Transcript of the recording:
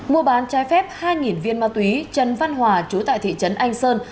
mua bán trái phép hai viên ma túy trần văn hòa chú tại thị trấn anh sơn